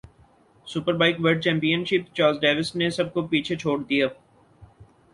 super bike world championship Chaz Davies نے سب کو پیچھے چھوڑ دیا